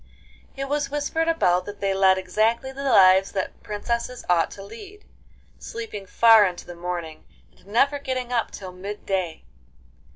It was whispered about that they led exactly the lives that princesses ought to lead, sleeping far into the morning, and never getting up till mid day.